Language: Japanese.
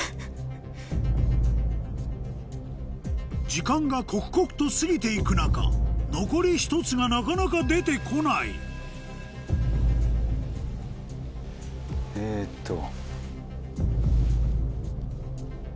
時間が刻々と過ぎて行く中残り１つがなかなか出て来ないえと。